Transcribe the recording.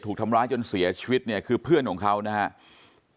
ถูกทำร้ายจนเสียชีวิตเนี่ยคือเพื่อนของเขานะครับ